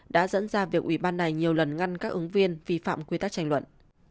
đã dẫn ra việc ủy ban này nhiều lần ngăn các ứng viên vi phạm quy tắc tranh luận